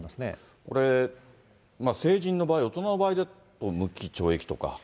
これ、成人の場合、大人の場合で無期懲役とか。